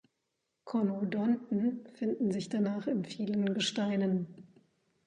Conodonten finden sich danach in vielen Gesteinen.